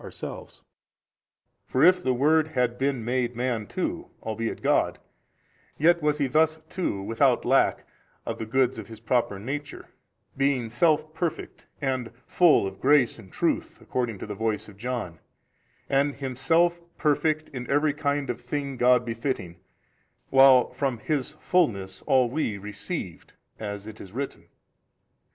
e. ourselves. For if the Word have BEEN MADE man too, albeit God, yet was He thus too without lack of the Goods of His proper Nature; being Self Perfect and full of grace and truth, according to the voice of John: and Himself Perfect in every kind of thing God befitting, while from His fulness all we received, as it is written.